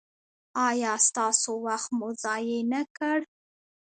ایا ستاسو وخت مې ضایع نکړ؟